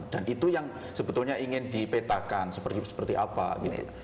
dan itu yang sebetulnya ingin dipetakan seperti apa gitu